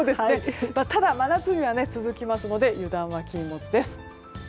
ただ、真夏日は続きますので油断は禁物です。